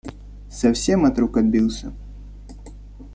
Совсем от рук отбился.